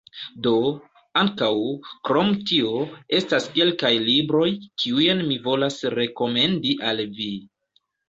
Do, ankaŭ, krom tio, estas kelkaj libroj, kiujn mi volas rekomendi al vi: